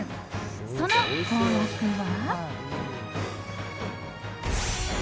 その公約は。